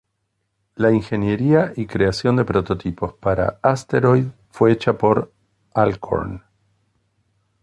La ingeniería y creación de prototipos para "Asteroid" fue hecha por Alcorn.